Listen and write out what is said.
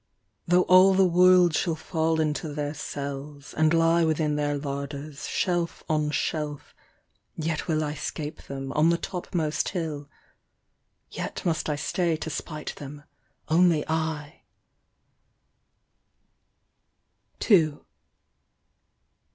Though all the world shall fall into theil cells And lie within thou lardeis. shelf on shelf, Yet will I '■■< ape them, on the topmost lull : Yet mu i I tay to spite them, only I '»* IRIS TREE.